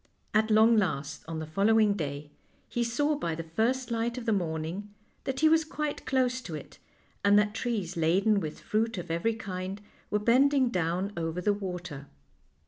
At long last, on the following day, he saw by the first light of the morning that he was quite close to it, and that trees laden with fruit of every kind were bending down over the water.